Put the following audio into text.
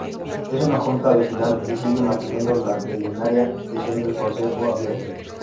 Es una Junta Vecinal y sigue manteniendo la milenaria tradición del Concejo abierto.